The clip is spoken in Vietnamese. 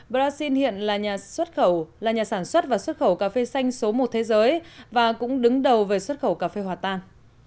brazil hiện là nhà sản xuất và xuất khẩu cà phê xanh số một thế giới và cũng đứng đầu về xuất khẩu cà phê hòa tan